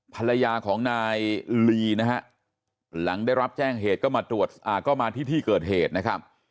ภรรยาของนายลีนะฮะหลังได้รับแจ้งเหตุก็มาตรวจก็มาที่ที่เกิดเหตุนะครับ